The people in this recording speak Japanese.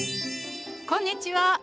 こんにちは。